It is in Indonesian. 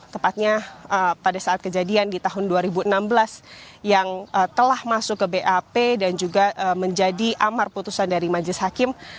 tepatnya pada saat kejadian di tahun dua ribu enam belas yang telah masuk ke bap dan juga menjadi amar putusan dari majelis hakim